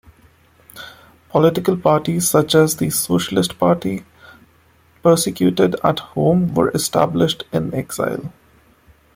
Political parties, such as the Socialist Party, persecuted at home, were established in exile.